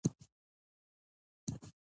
پښتو د غیرت ژبه ده